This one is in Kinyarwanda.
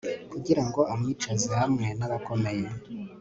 kugira ngo amwicaze hamwe n'abakomeye